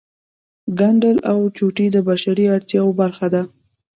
ګنډل او چوټې د بشري اړتیاوو برخه ده